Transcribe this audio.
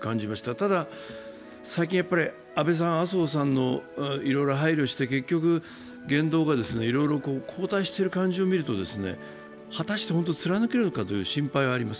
ただ、最近安倍さん、麻生さんのいろいろ配慮をして結局、言動がいろいろ後退している感じを見ると果たして本当に貫けるかという心配はあります。